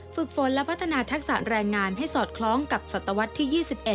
ฝึกฝนและพัฒนาทักษะแรงงานให้สอดคล้องกับศตวรรษที่๒๑